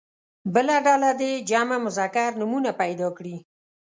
بله ډله دې جمع مذکر نومونه پیدا کړي.